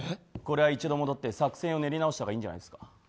これは一度戻って作戦を練り直したほうがいいんじゃないですか？